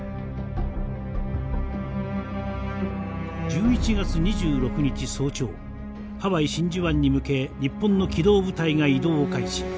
１１月２６日早朝ハワイ真珠湾に向け日本の機動部隊が移動を開始。